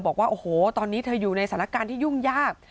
บอกว่าโอ้โหตอนนี้เธออยู่ในสถานการณ์ที่ยุ่งยาก